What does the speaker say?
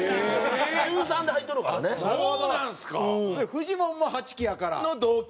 フジモンも８期やから。の同期。